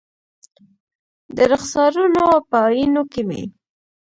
د رخسارونو په آئینو کې مې